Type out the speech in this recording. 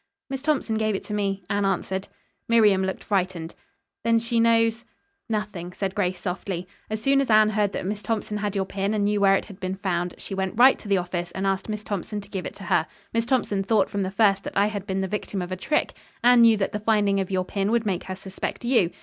"Miss Thompson gave it to me," Anne answered. Miriam looked frightened. "Then she knows " "Nothing," said Grace softly. "As soon as Anne heard that Miss Thompson had your pin and knew where it had been found, she went right to the office and asked Miss Thompson to give it to her. Miss Thompson thought from the first that I had been the victim of a trick. Anne knew that the finding of your pin would make her suspect you.